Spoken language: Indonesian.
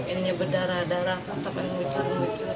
ini berdarah darah sampai muncul